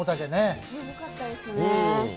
すごかったですね。